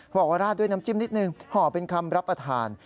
บอกว่าราดด้วยน้ำจิ้มนิดนึงห่อเป็นคำรับประทาน